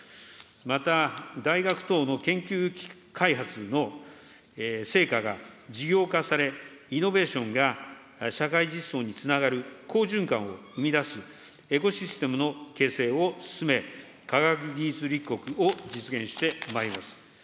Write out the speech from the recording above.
また、大学等の研究開発の成果が事業化され、イノベーションが社会実装につながる好循環を生み出す、エコシステムの形成を進め、科学技術立国を実現してまいります。